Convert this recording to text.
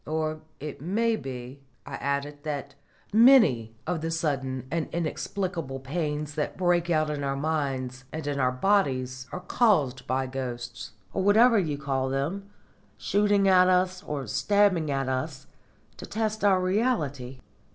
"Or it may be," I added, "that many of the sudden and inexplicable pains that break out in our minds and in our bodies are caused by ghosts, or whatever you call them, shooting at us, or stabbing us, to test our reality."